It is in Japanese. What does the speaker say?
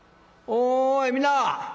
おいみんな！